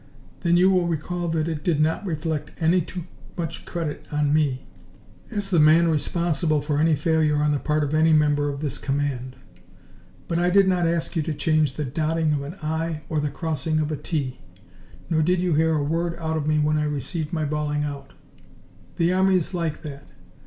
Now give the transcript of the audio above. "Then you will recall that it did not reflect any too much credit on me, as the man responsible for any failure on the part of any member of this command. But I did not ask you to change the dotting of an I or the crossing of a T. Nor did you hear a word out of me when I received my bawling out. The army is like that.